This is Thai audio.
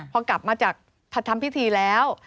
พอกลับมาจากทำพิธีแล้ว